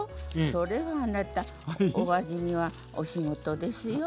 それはあなたお味見はお仕事ですよ。